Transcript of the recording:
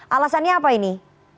alasannya apa ini